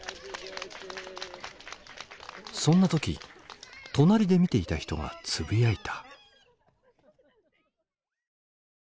そんな時隣で見ていた人がつぶやいた。